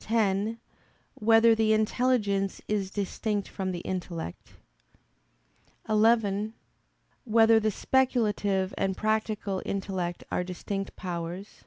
(10) Whether the intelligence is distinct from the intellect? (11) Whether the speculative and practical intellect are distinct powers?